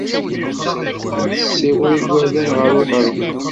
Ad tessiweḍ igerdan ɣer uɣerbaz.